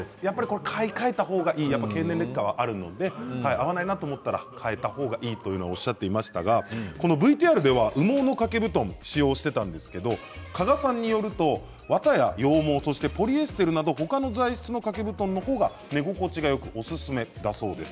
買い替えた方がいい経年劣化があるので、合わない時替えた方がいいということなんですがＶＴＲでは羽毛の掛け布団を使用していたんですが加賀さんによると綿や羊毛ポリエステルなど、他の材質の掛け布団の方が寝心地がよくおすすめだそうです。